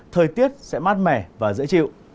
thời tiết sẽ mát mẻ và dễ chịu